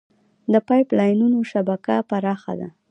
د پایپ لاینونو شبکه پراخه ده.